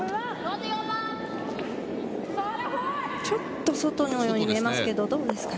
ちょっと外のように見えます。